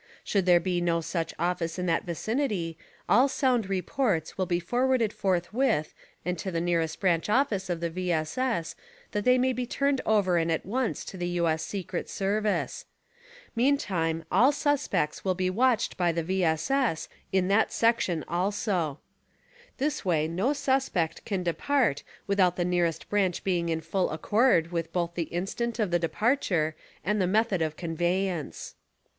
Should there be no such office in that vicinity all sound reports will be forwarded forthwith and to the nearest branch office of the V. S. S. that they may be turned over and at once to the U. S. Secret Service. Meantime all suspects will be watched by the V. S. S. in that_ section from w'hence the information derived; and the police of that section, also . This way no suspect can depart without the nearest branch being in full accord with both the instant of the departure and the method of conveyance.